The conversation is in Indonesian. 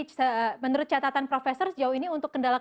jadi menurut catatan profesor sejauh ini untuk kebijakan